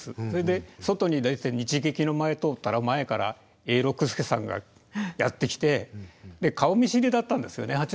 それで外に出て日劇の前通ったら前から永六輔さんがやって来てで顔見知りだったんですよね。